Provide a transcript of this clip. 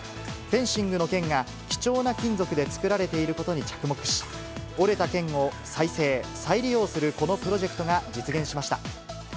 フェンシングの剣が貴重な金属で作られていることに着目し、折れた剣を再生・再利用するこのプロジェクトが実現しました。